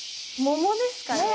桃ですかね？